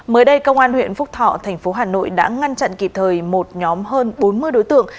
mới đây công an huyện phúc thọ thành phố hà nội đã ngăn chặn kịp thời một nhóm hơn bốn mươi đối tượng